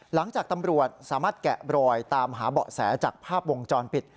หลังจากตำรวจสามารถแกะบรอยตามหาเบาะแสจากภาพวงจรปิด